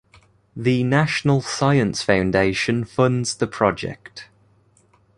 The National Science Foundation funds the project.